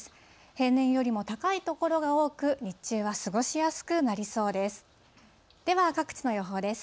平年よりも高い所が多く、日中は過ごしやすくなりそうです。